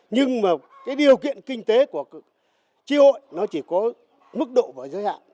nhưng mà cái điều kiện kinh tế của tri hội nó chỉ có mức độ và giới hạn